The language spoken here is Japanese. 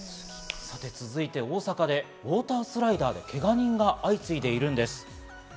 続いて、大阪でウオータースライダーで、けが人が相次いでいるんです。